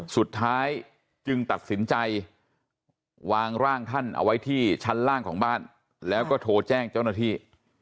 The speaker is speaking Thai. สุดท้ายจึงตัดสินใจวางร่างท่านเอาไว้ที่ชั้นล่างของบ้านแล้วก็โทรแจ้งเจ้าหน้าที่